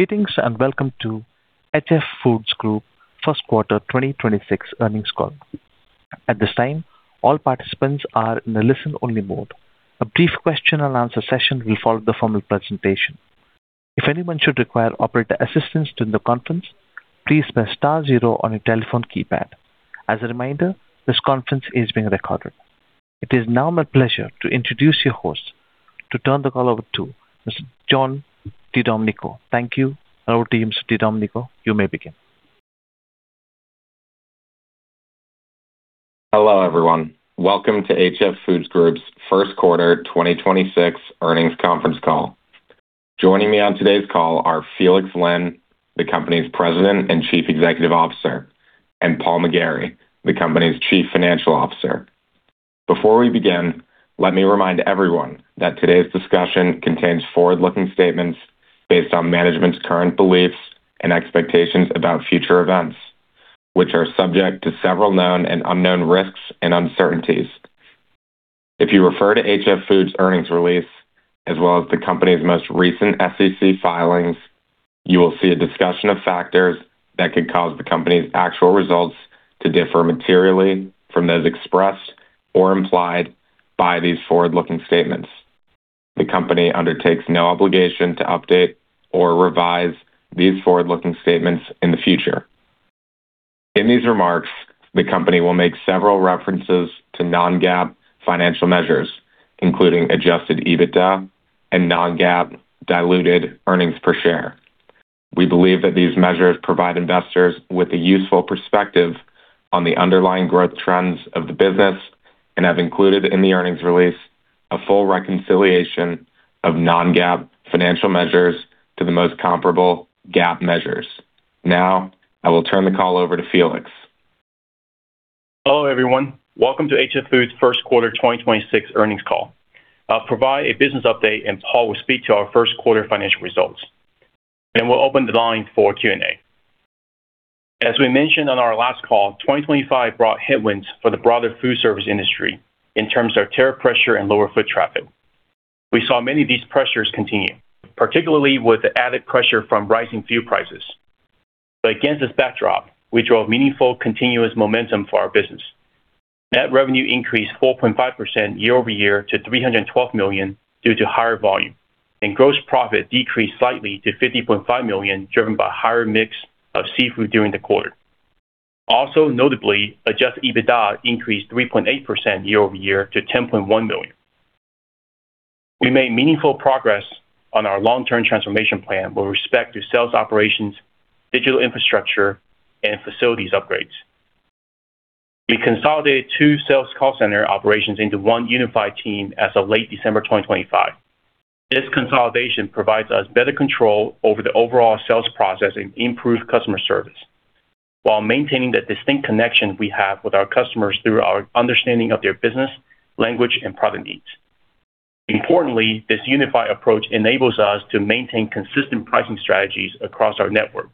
Greetings and welcome to HF Foods Group first quarter 2026 earnings call. It is now my pleasure to introduce your host. To turn the call over to Mr. Jon DeDomenico. Thank you. Over to you, Mr. Jon DeDomenico. You may begin. Hello, everyone. Welcome to HF Foods Group's first quarter 2026 earnings conference call. Joining me on today's call are Felix Lin, the company's president and chief executive officer, and Paul McGarry, the company's chief financial officer. Before we begin, let me remind everyone that today's discussion contains forward-looking statements based on management's current beliefs and expectations about future events, which are subject to several known and unknown risks and uncertainties. If you refer to HF Foods earnings release, as well as the company's most recent SEC filings, you will see a discussion of factors that could cause the company's actual results to differ materially from those expressed or implied by these forward-looking statements. The company undertakes no obligation to update or revise these forward-looking statements in the future. In these remarks, the company will make several references to non-GAAP financial measures, including Adjusted EBITDA and non-GAAP diluted earnings per share. We believe that these measures provide investors with a useful perspective on the underlying growth trends of the business and have included in the earnings release a full reconciliation of non-GAAP financial measures to the most comparable GAAP measures. Now, I will turn the call over to Felix. Hello, everyone. Welcome to HF Foods first quarter 2026 earnings call. I'll provide a business update. Paul will speak to our first quarter financial results. We'll open the line for Q&A. As we mentioned on our last call, 2025 brought headwinds for the broader food service industry in terms of tariff pressure and lower foot traffic. We saw many of these pressures continue, particularly with the added pressure from rising fuel prices. Against this backdrop, we drove meaningful continuous momentum for our business. Net revenue increased 4.5% year-over-year to $312 million due to higher volume. Gross profit decreased slightly to $50.5 million, driven by higher mix of Seafood during the quarter. Also, notably, Adjusted EBITDA increased 3.8% year-over-year to $10.1 million. We made meaningful progress on our long-term transformation plan with respect to sales operations, digital infrastructure, and facilities upgrades. We consolidated two sales call center operations into one unified team as of late December 2025. This consolidation provides us better control over the overall sales process and improved customer service while maintaining the distinct connection we have with our customers through our understanding of their business, language, and product needs. Importantly, this unified approach enables us to maintain consistent pricing strategies across our network,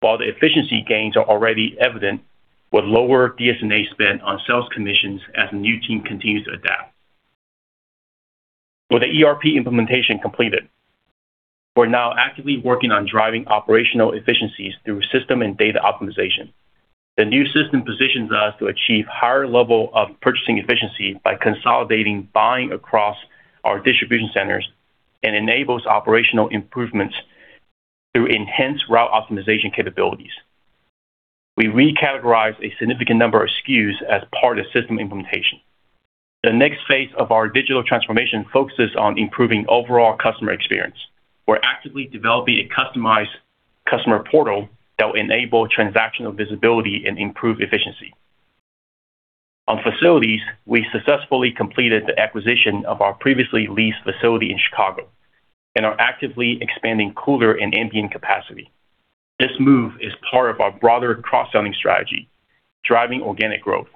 while the efficiency gains are already evident with lower SG&A spend on sales commissions as the new team continues to adapt. With the ERP implementation completed, we're now actively working on driving operational efficiencies through system and data optimization. The new system positions us to achieve higher level of purchasing efficiency by consolidating buying across our distribution centers and enables operational improvements through enhanced route optimization capabilities. We recategorized a significant number of SKUs as part of system implementation. The next phase of our digital transformation focuses on improving overall customer experience. We're actively developing a customized customer portal that will enable transactional visibility and improve efficiency. On facilities, we successfully completed the acquisition of our previously leased facility in Chicago and are actively expanding cooler and ambient capacity. This move is part of our broader cross-selling strategy, driving organic growth.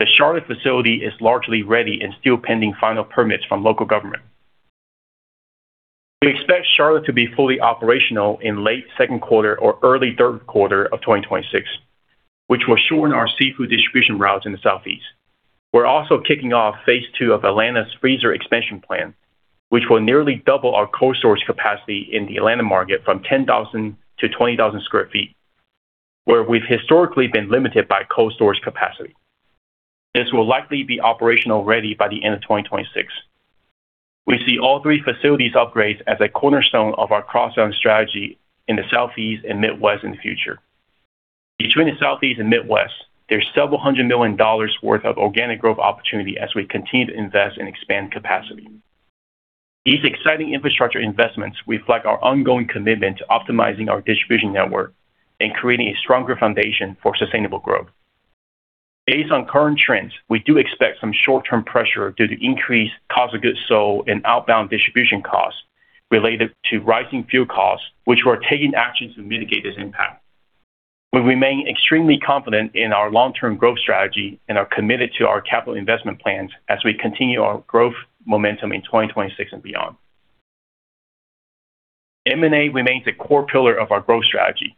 The Charlotte facility is largely ready and still pending final permits from local government. We expect Charlotte to be fully operational in late second quarter or early third quarter of 2026, which will shorten our Seafood distribution routes in the Southeast. We're also kicking off phase II of Atlanta's freezer expansion plan, which will nearly double our cold storage capacity in the Atlanta market from 10,000 to 20,000 square feet, where we've historically been limited by cold storage capacity. This will likely be operational ready by the end of 2026. We see all three facilities upgrades as a cornerstone of our cross-selling strategy in the Southeast and Midwest in the future. Between the Southeast and Midwest, there's $several hundred million worth of organic growth opportunity as we continue to invest and expand capacity. These exciting infrastructure investments reflect our ongoing commitment to optimizing our distribution network and creating a stronger foundation for sustainable growth. Based on current trends, we do expect some short-term pressure due to increased cost of goods sold and outbound distribution costs related to rising fuel costs, which we're taking action to mitigate this impact. We remain extremely confident in our long-term growth strategy and are committed to our capital investment plans as we continue our growth momentum in 2026 and beyond. M&A remains a core pillar of our growth strategy.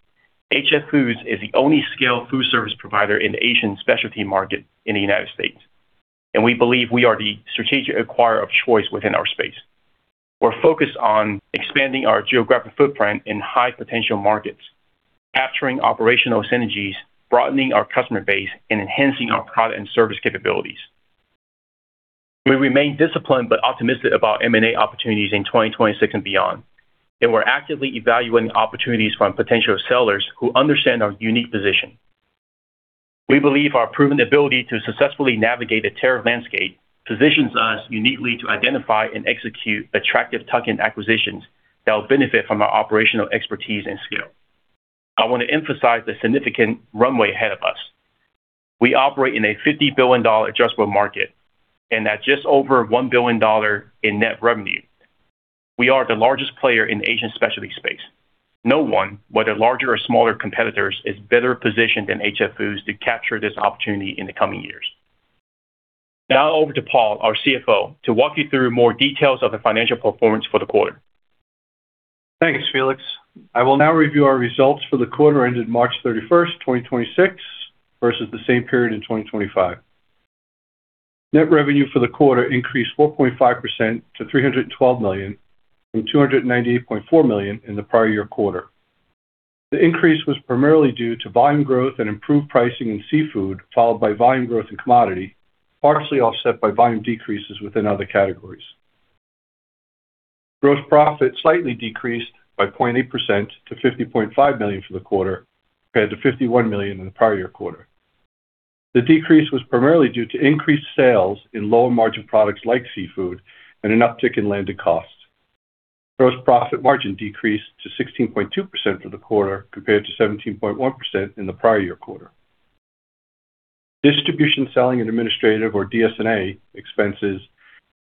HF Foods is the only scaled food service provider in the Asian specialty market in the U.S. We believe we are the strategic acquirer of choice within our space. We're focused on expanding our geographic footprint in high potential markets, capturing operational synergies, broadening our customer base, and enhancing our product and service capabilities. We remain disciplined but optimistic about M&A opportunities in 2026 and beyond. We're actively evaluating opportunities from potential sellers who understand our unique position. We believe our proven ability to successfully navigate the tariff landscape positions us uniquely to identify and execute attractive tuck-in acquisitions that will benefit from our operational expertise and scale. I want to emphasize the significant runway ahead of us. We operate in a $50 billion addressable market and at just over $1 billion in net revenue. We are the largest player in the Asian specialty space. No one, whether larger or smaller competitors, is better positioned than HF Foods to capture this opportunity in the coming years. Now over to Paul, our CFO, to walk you through more details of the financial performance for the quarter. Thanks, Felix. I will now review our results for the quarter ended March 31, 2026 versus the same period in 2025. Net revenue for the quarter increased 4.5% to $312 million from $298.4 million in the prior year quarter. The increase was primarily due to volume growth and improved pricing in seafood, followed by volume growth in commodity, partially offset by volume decreases within other categories. Gross profit slightly decreased by 0.8% to $50.5 million for the quarter compared to $51 million in the prior year quarter. The decrease was primarily due to increased sales in lower margin products like seafood and an uptick in landed costs. Gross profit margin decreased to 16.2% for the quarter compared to 17.1% in the prior year quarter. Distribution, selling, and administrative, or DS&A expenses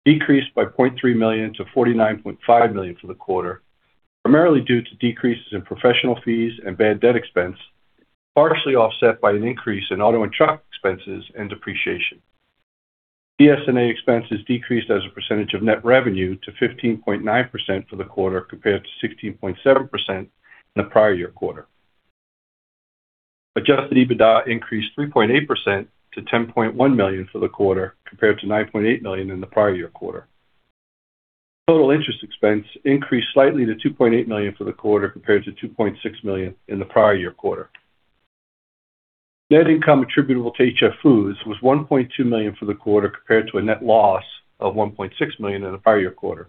decreased by $0.3 million to $49.5 million for the quarter, primarily due to decreases in professional fees and bad debt expense, partially offset by an increase in auto and truck expenses and depreciation. DS&A expenses decreased as a percentage of net revenue to 15.9% for the quarter compared to 16.7% in the prior year quarter. Adjusted EBITDA increased 3.8% to $10.1 million for the quarter compared to $9.8 million in the prior year quarter. Total interest expense increased slightly to $2.8 million for the quarter compared to $2.6 million in the prior year quarter. Net income attributable to HF Foods was $1.2 million for the quarter compared to a net loss of $1.6 million in the prior year quarter.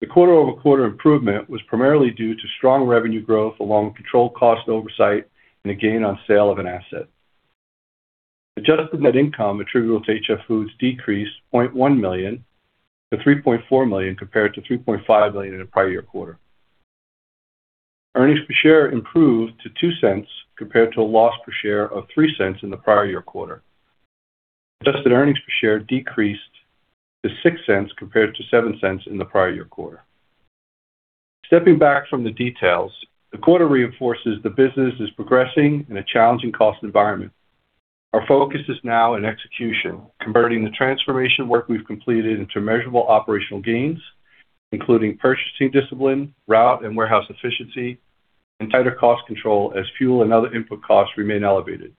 The quarter-over-quarter improvement was primarily due to strong revenue growth along with controlled cost oversight and a gain on sale of an asset. Adjusted net income attributable to HF Foods decreased $0.1 million to $3.4 million compared to $3.5 million in the prior year quarter. Earnings per share improved to $0.02 compared to a loss per share of $0.03 in the prior year quarter. Adjusted earnings per share decreased to $0.06 compared to $0.07 in the prior year quarter. Stepping back from the details, the quarter reinforces the business is progressing in a challenging cost environment. Our focus is now on execution, converting the transformation work we've completed into measurable operational gains, including purchasing discipline, route and warehouse efficiency, and tighter cost control as fuel and other input costs remain elevated.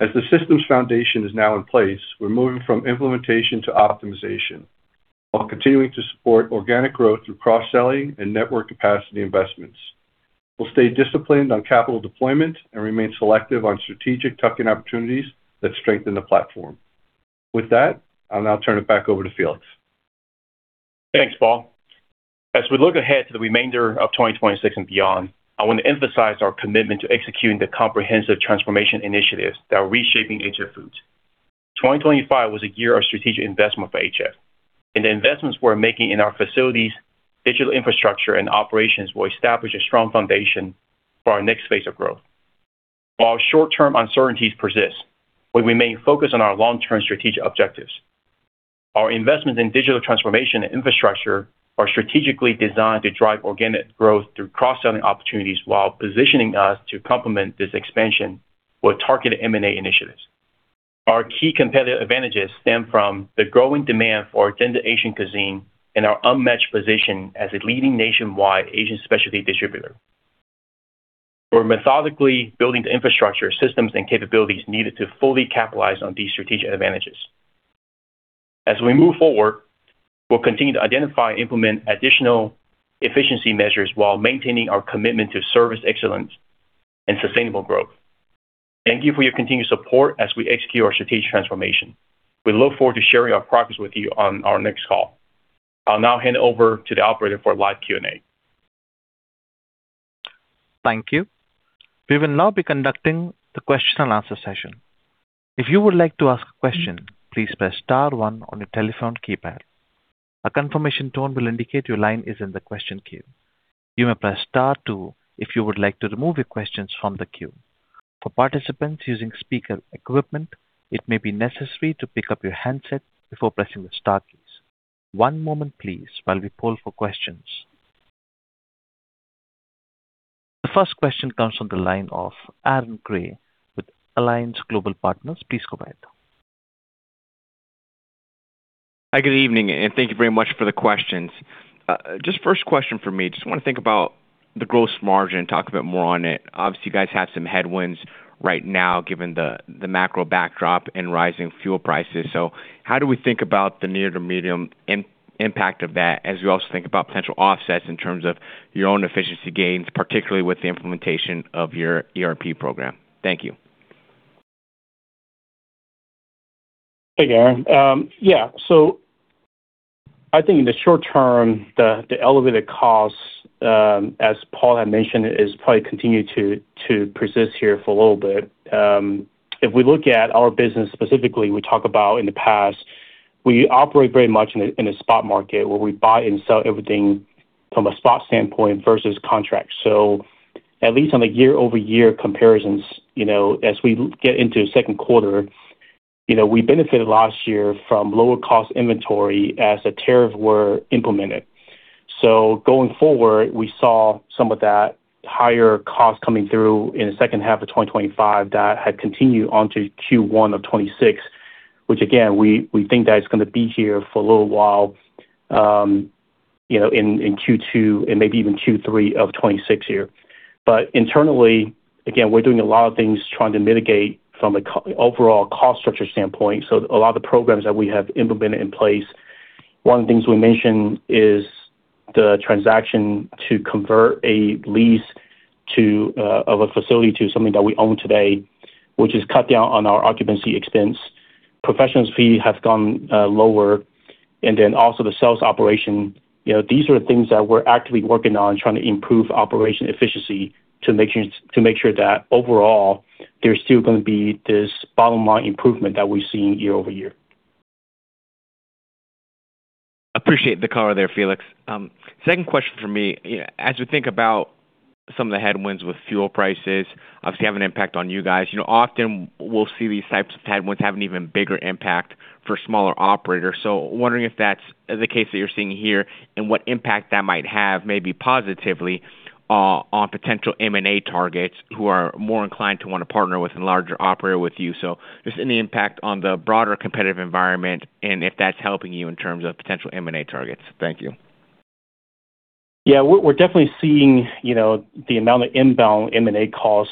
As the systems foundation is now in place, we're moving from implementation to optimization while continuing to support organic growth through cross-selling and network capacity investments. We'll stay disciplined on capital deployment and remain selective on strategic tuck-in opportunities that strengthen the platform. With that, I'll now turn it back over to Felix. Thanks, Paul. As we look ahead to the remainder of 2026 and beyond, I want to emphasize our commitment to executing the comprehensive transformation initiatives that are reshaping HF Foods. 2025 was a year of strategic investment for HF, and the investments we're making in our facilities, digital infrastructure, and operations will establish a strong foundation for our next phase of growth. While short-term uncertainties persist, we remain focused on our long-term strategic objectives. Our investments in digital transformation and infrastructure are strategically designed to drive organic growth through cross-selling opportunities while positioning us to complement this expansion with targeted M&A initiatives. Our key competitive advantages stem from the growing demand for authentic Asian cuisine and our unmatched position as a leading nationwide Asian specialty distributor. We're methodically building the infrastructure, systems, and capabilities needed to fully capitalize on these strategic advantages. As we move forward, we'll continue to identify and implement additional efficiency measures while maintaining our commitment to service excellence and sustainable growth. Thank you for your continued support as we execute our strategic transformation. We look forward to sharing our progress with you on our next call. I'll now hand over to the operator for live Q&A. The first question comes from the line of Aaron Grey with Alliance Global Partners. Please go ahead. Hi, good evening, and thank you very much for the questions. My first question from me. I just want to think about the gross margin and talk a bit more on it. Obviously, you guys have some headwinds right now given the macro backdrop and rising fuel prices. How do we think about the near to medium impact of that as we also think about potential offsets in terms of your own efficiency gains, particularly with the implementation of your ERP program? Thank you. Hey, Aaron. Yeah. I think in the short term, the elevated costs, as Paul had mentioned, is probably continue to persist here for a little bit. If we look at our business specifically, we talk about in the past, we operate very much in a spot market where we buy and sell everything from a spot standpoint versus contract. At least on a year-over-year comparisons, you know, as we get into second quarter, you know, we benefited last year from lower cost inventory as the tariffs were implemented. Going forward, we saw some of that higher cost coming through in the second half of 2025 that had continued on to Q1 of 2026, which again, we think that it's gonna be here for a little while, you know, in Q2 and maybe even Q3 of 2026 here. Internally, again, we're doing a lot of things trying to mitigate from an overall cost structure standpoint. A lot of the programs that we have implemented in place. One of the things we mentioned is the transaction to convert a lease to of a facility to something that we own today, which has cut down on our occupancy expense. Professionals fee has gone lower. Also the sales operation. You know, these are the things that we're actively working on trying to improve operational efficiency to make sure that overall, there's still gonna be this bottom line improvement that we're seeing year-over-year. Appreciate the color there, Felix. Second question from me. As we think about some of the headwinds with fuel prices obviously have an impact on you guys. You know, often we'll see these types of headwinds have an even bigger impact for smaller operators. Wondering if that's the case that you're seeing here and what impact that might have, maybe positively, on potential M&A targets who are more inclined to wanna partner with a larger operator with you. Just any impact on the broader competitive environment and if that's helping you in terms of potential M&A targets. Thank you. Yeah. We're definitely seeing, you know, the amount of inbound M&A calls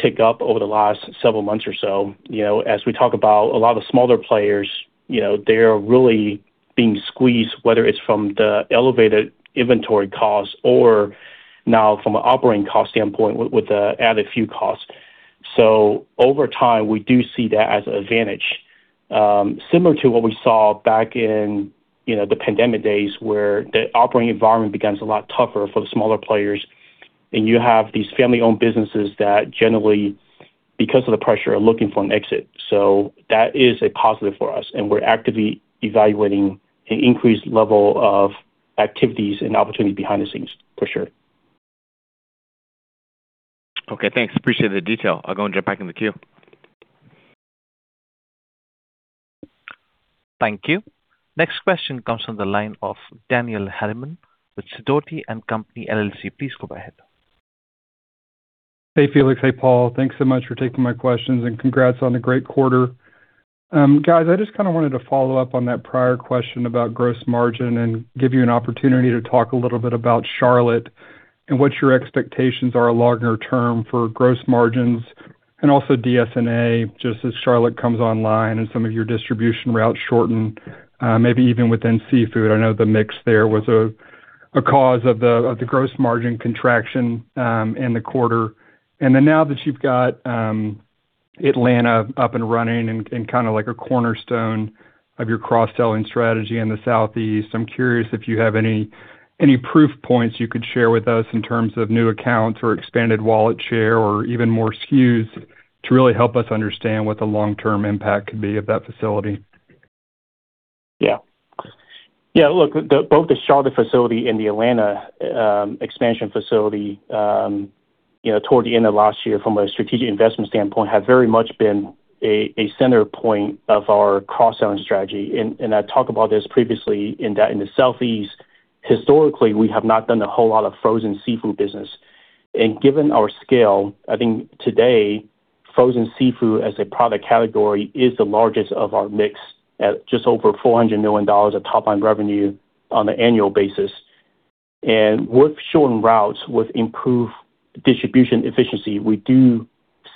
tick up over the last several months or so. You know, as we talk about a lot of smaller players, you know, they're really being squeezed, whether it's from the elevated inventory costs or now from an operating cost standpoint with the added fuel costs. Over time, we do see that as an advantage. Similar to what we saw back in, you know, the pandemic days, where the operating environment becomes a lot tougher for the smaller players, and you have these family-owned businesses that generally, because of the pressure, are looking for an exit. That is a positive for us, and we're actively evaluating an increased level of activities and opportunities behind the scenes, for sure. Okay, thanks. Appreciate the detail. I'll go and jump back in the queue. Thank you. Next question comes from the line of Daniel Scott Harriman with Sidoti & Company, LLC. Please go ahead. Hey, Felix. Hey, Paul. Thanks so much for taking my questions, and congrats on the great quarter. Guys, I just kinda wanted to follow up on that prior question about gross margin and give you an opportunity to talk a little bit about Charlotte and what your expectations are longer term for gross margins and also DS&A, just as Charlotte comes online and some of your distribution routes shorten, maybe even within Seafood. I know the mix there was a cause of the gross margin contraction in the quarter. Now that you've got Atlanta up and running and kinda like a cornerstone of your cross-selling strategy in the Southeast, I'm curious if you have any proof points you could share with us in terms of new accounts or expanded wallet share or even more SKUs to really help us understand what the long-term impact could be of that facility. Both the Charlotte facility and the Atlanta expansion facility, toward the end of last year, from a strategic investment standpoint, have very much been a center point of our cross-selling strategy. I talked about this previously in that in the Southeast, historically, we have not done a whole lot of frozen Seafood business. Given our scale, I think today, frozen Seafood as a product category is the largest of our mix at just over $400 million of top-line revenue on an annual basis. With shortened routes, with improved distribution efficiency, we do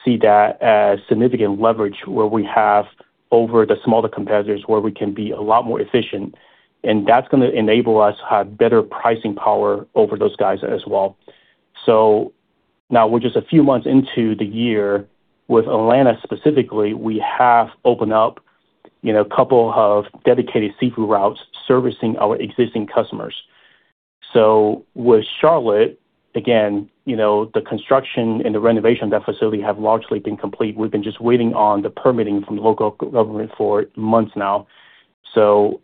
see that as significant leverage where we have over the smaller competitors, where we can be a lot more efficient, and that's gonna enable us to have better pricing power over those guys as well. Now we're just a few months into the year. With Atlanta specifically, we have opened up, you know, couple dedicated Seafood routes servicing our existing customers. With Charlotte, again, you know, the construction and the renovation of that facility have largely been complete. We've been just waiting on the permitting from the local government for months now. You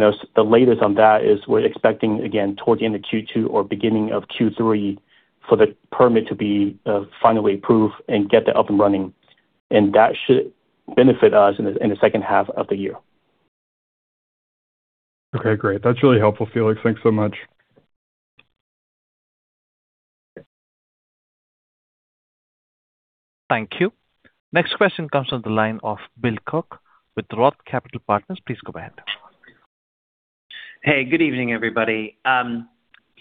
know, the latest on that is we're expecting again toward the end of Q2 or beginning of Q3 for the permit to be finally approved and get that up and running. That should benefit us in the second half of the year. Okay, great. That's really helpful, Felix. Thanks so much. Thank you. Next question comes from the line of Bill Kirk with ROTH Capital Partners. Please go ahead. Hey, good evening, everybody.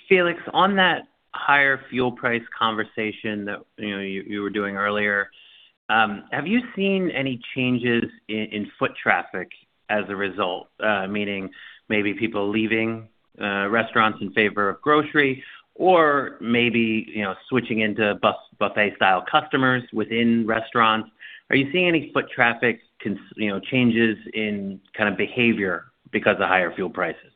Felix, on that higher fuel price conversation that, you know, you were doing earlier, have you seen any changes in foot traffic as a result? meaning maybe people leaving restaurants in favor of grocery or maybe, you know, switching into buffet style customers within restaurants. Are you seeing any foot traffic, you know, changes in kind of behavior because of higher fuel prices?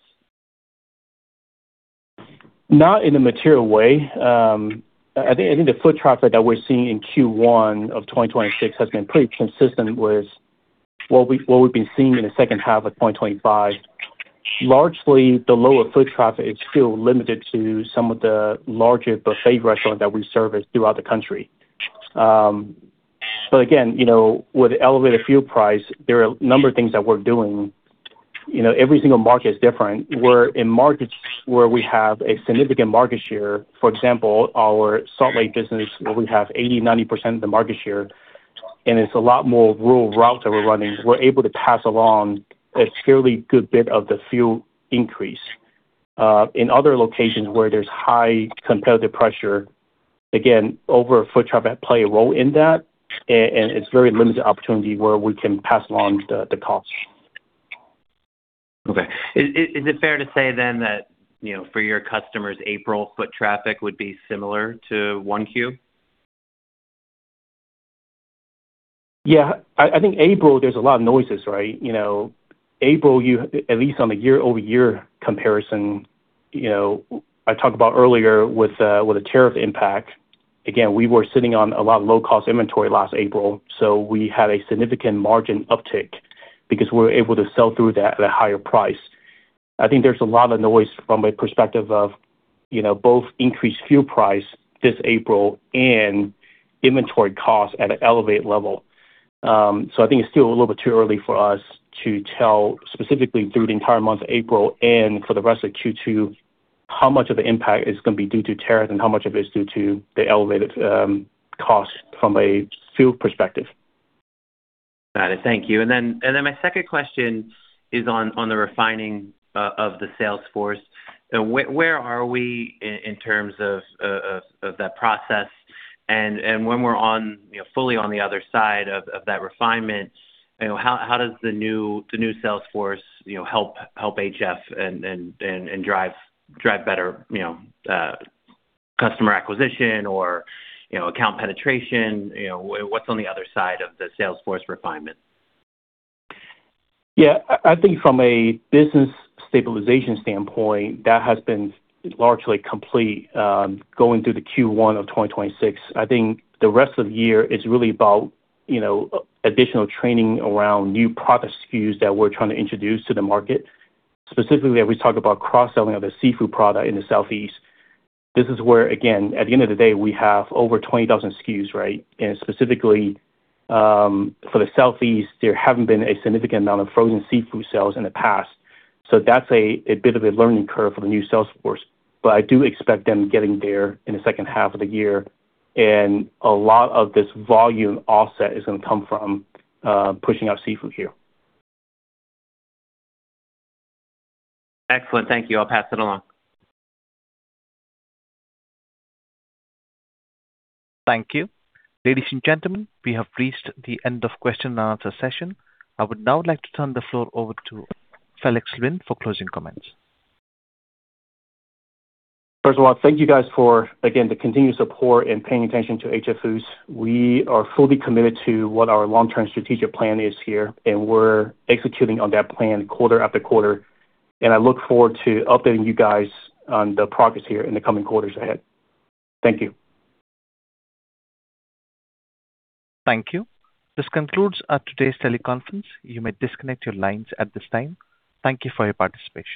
Not in a material way. I think the foot traffic that we're seeing in Q1 of 2026 has been pretty consistent with what we've been seeing in the second half of 2025. Largely, the lower foot traffic is still limited to some of the larger buffet restaurants that we service throughout the country. Again, you know, with elevated fuel price, there are a number of things that we're doing. You know, every single market is different. Where in markets where we have a significant market share, for example, our Salt Lake business, where we have 80%, 90% of the market share, and it's a lot more rural routes that we're running, we're able to pass along a fairly good bit of the fuel increase. In other locations where there's high competitive pressure, again, over foot traffic play a role in that, and it's very limited opportunity where we can pass along the cost. Okay. Is it fair to say then that, you know, for your customers, April foot traffic would be similar to 1Q? Yeah. I think April there's a lot of noise, right? You know April at least on the year-over-year comparison, you know, I talked about earlier with the tariff impact. Again, we were sitting on a lot of low-cost inventory last April, so we had a significant margin uptick because we were able to sell through that at a higher price. I think there's a lot of noise from a perspective of, you know, both increased fuel price this April and inventory costs at an elevated level. I think it's still a little bit too early for us to tell specifically through the entire month of April and for the rest of Q2, how much of the impact is gonna be due to tariff and how much of it is due to the elevated cost from a fuel perspective. Got it. Thank you. My second question is on the refining of the sales force. Where are we in terms of that process? When we're on, you know, fully on the other side of that refinement, you know, how does the new sales force, you know, help HF and drive better, you know, customer acquisition or, you know, account penetration? You know, what's on the other side of the sales force refinement? Yeah. I think from a business stabilization standpoint, that has been largely complete, going through the Q1 of 2026. I think the rest of the year is really about, you know, additional training around new product SKUs that we're trying to introduce to the market. Specifically, as we talk about cross-selling of the Seafood product in the southeast. This is where, again, at the end of the day, we have over 20,000 SKUs, right? Specifically, for the southeast, there haven't been a significant amount of frozen Seafood sales in the past. That's a bit of a learning curve for the new sales force. I do expect them getting there in the second half of the year, and a lot of this volume offset is gonna come from pushing out Seafood here. Excellent. Thank you. I'll pass it along. Thank you. Ladies and gentlemen, we have reached the end of question and answer session. I would now like to turn the floor over to Felix Lin for closing comments. First of all, thank you guys for, again, the continued support and paying attention to HF Foods. We are fully committed to what our long-term strategic plan is here, and we're executing on that plan quarter after quarter. I look forward to updating you guys on the progress here in the coming quarters ahead. Thank you. Thank you. This concludes our today's teleconference. You may disconnect your lines at this time. Thank you for your participation.